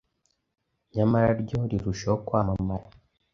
nyamara ryo rirushaho kwamamara.